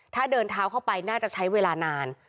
ถ้าเดินเท้าเข้าไปน่าจะใช้เวลานาน